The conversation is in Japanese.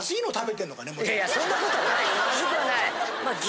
いやいやそんなことない。